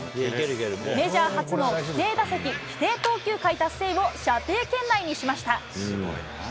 メジャー初の規定打席、規定投球回達成を射程圏内にしました。